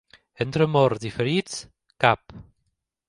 Entre morts i ferits, cap.